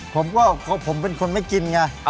ผมก็ผมเป็นคนไม่กินไง